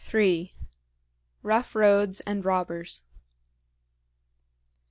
ROUGH ROADS AND ROBBERS.